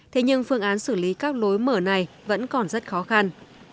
thế nhưng phương án xử lý các lối mở này vẫn còn rất khó khăn